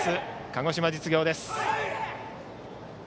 鹿児島実業です。